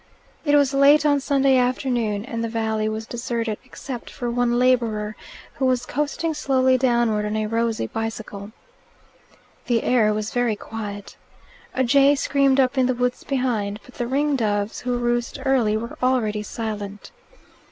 It was late on Sunday afternoon, and the valley was deserted except for one labourer, who was coasting slowly downward on a rosy bicycle. The air was very quiet. A jay screamed up in the woods behind, but the ring doves, who roost early, were already silent.